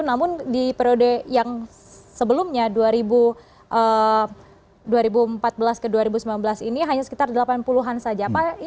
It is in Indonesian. namun di periode yang sebelumnya dua ribu empat belas ke dua ribu sembilan belas ini hanya sekitar delapan puluh an saja